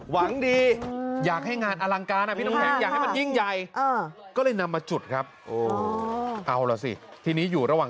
หวังดี